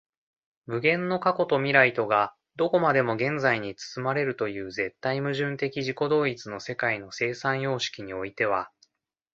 無限の過去と未来とがどこまでも現在に包まれるという絶対矛盾的自己同一の世界の生産様式においては、